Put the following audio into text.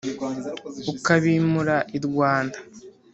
Ukabimura i Rwanda.